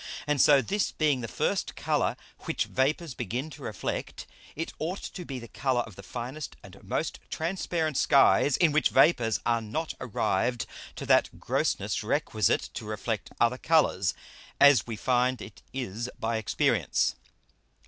And so this being the first Colour which Vapours begin to reflect, it ought to be the Colour of the finest and most transparent Skies, in which Vapours are not arrived to that Grossness requisite to reflect other Colours, as we find it is by Experience.